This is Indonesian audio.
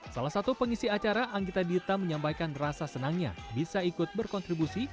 salah satu pengisi acara anggita dita menyampaikan rasa senangnya bisa ikut berkontribusi